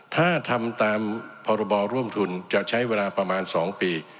ถ้าทำตามพรบร่วมทุนจะใช้เวลาประมาณ๒ปี